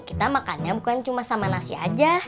kita makannya bukan cuma sama nasi aja